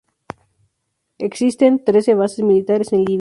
Existen trece bases militares en Libia.